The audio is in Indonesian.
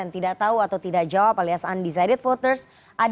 tidak tahu atau tidak jawab alias undecided footers ini